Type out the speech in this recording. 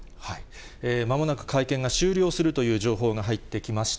まもなく会見が終了するという情報が入ってきました。